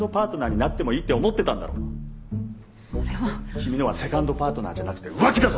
君のはセカンドパートナーじゃなくて浮気だぞ！